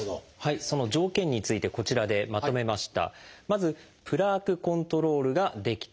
その条件についてこちらでまとめました。